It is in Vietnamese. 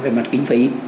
về mặt kinh phí